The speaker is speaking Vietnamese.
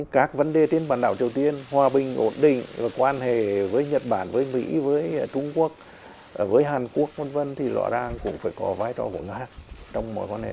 các vấn đề trên bản đảo triều tiên hòa bình ổn định và quan hệ với nhật bản với mỹ với trung quốc với hàn quốc v v thì rõ ràng cũng phải có vai trò của nga trong mối quan hệ